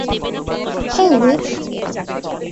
হেই, whip.